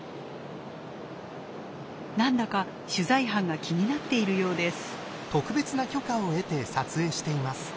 なんだか取材班が気になっているようです。